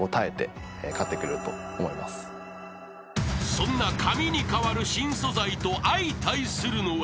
［そんな紙に代わる新素材と相対するのは］